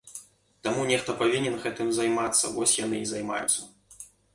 Таму нехта павінен гэтым займацца, вось яны і займаюцца.